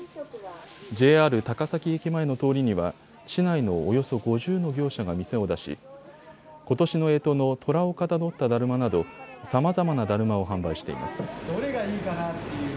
ＪＲ高崎駅前の通りには市内のおよそ５０の業者が店を出しことしのえとのとらをかたどっただるまなど、さまざまなだるまを販売しています。